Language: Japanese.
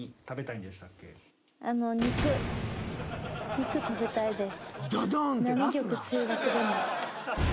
肉食べたいです。